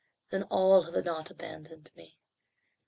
Then all have not abandoned me."